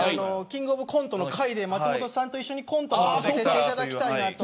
キングオブコントの会で松本さんと一緒にコントさせていただきたい。